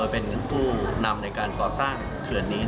เป็นผู้นำในการก่อสร้างเขื่อนนี้